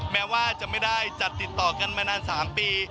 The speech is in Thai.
แม้ว่าจะไม่ได้จัดติดต่อกันมานาน๓ปี